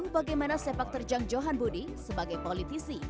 bagaimana sepak terjang johan budi sebagai politisi